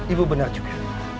ibu benar juga